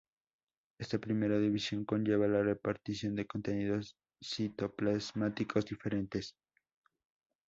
Esta primera división conlleva la repartición de contenidos citoplasmáticos diferentes.